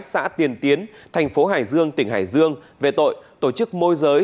xã tiền tiến thành phố hải dương tỉnh hải dương về tội tổ chức môi giới